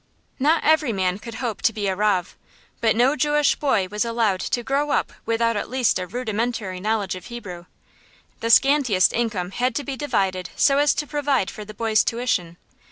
Not every man could hope to be a rav, but no Jewish boy was allowed to grow up without at least a rudimentary knowledge of Hebrew. The scantiest income had to be divided so as to provide for the boys' tuition.